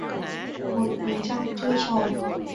Một vầng trăng chưa tròn!